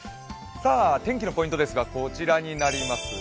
天気のポイントですがこちらになります。